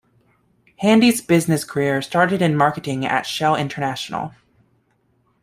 Handy's business career started in marketing at Shell International.